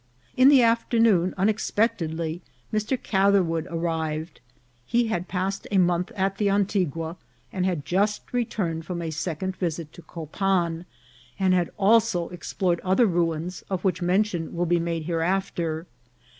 In the afternoon, unexpectedly, Mr. Catherwood ar rived. He had passed a month at the Antigua, and had just returned from a second visit to Copan, and had also explored other ruins, of which mention will be made hereafter.